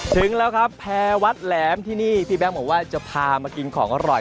ถึงแล้วครับแพร่วัดแหลมที่นี่พี่แบงค์บอกว่าจะพามากินของอร่อย